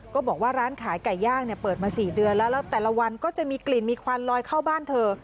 บอกว่าร้านขายไก่ย่างเนี่ยเปิดมา๔เดือนแล้วแล้วแต่ละวันก็จะมีกลิ่นมีควันลอยเข้าบ้านเธอ